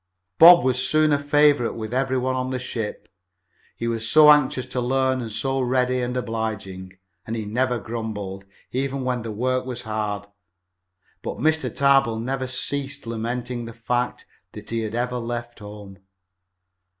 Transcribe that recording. Bob was soon a favorite with every one on the ship, he was so anxious to learn and so ready and obliging. He never grumbled, even when the work was hard. But Mr. Tarbill never ceased lamenting the fact that he had ever left home.